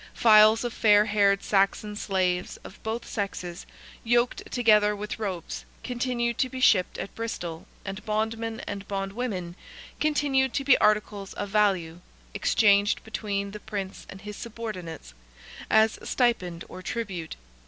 Files of fair haired Saxon slaves, of both sexes, yoked together with ropes, continued to be shipped at Bristol, and bondmen and bondwomen continued to be articles of value—exchanged between the Prince and his subordinates, as stipend or tribute.